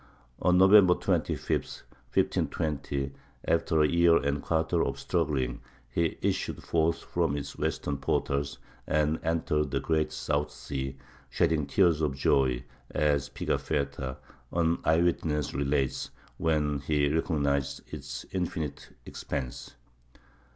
On November 25, 1520, after a year and a quarter of struggling, he issued forth from its western portals, and entered the Great South Sea, shedding tears of joy, as Pigafetta, an eye witness, relates, when he recognized its infinite expanse....